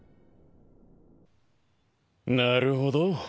なるほど。